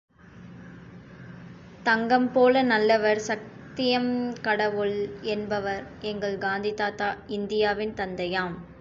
தங்கம் போல நல்லவர் சத்தியம் கடவுள் என்பவர் எங்கள் காந்தி தாத்தா இந்தியாவின் தந்தையாம்.